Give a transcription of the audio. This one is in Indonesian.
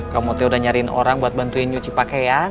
kamu tuh udah nyariin orang buat bantuin nyuci pakaian